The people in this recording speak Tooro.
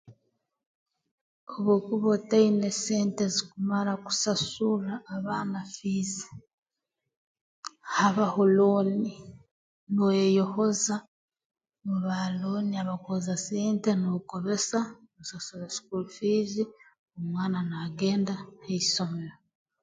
Obu okuba otaina sente zikumara kusasurra abaana fiizi habaho looni nooyeyohoza mu baalooni abakwohoza sente n'ogobesa noosasura sukuuli fiizi omwana naagenda ha isomero